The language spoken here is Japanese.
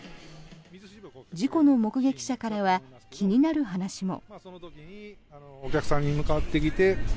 事故の目撃者からは気になる話も。